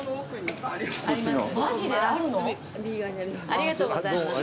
ありがとうございます。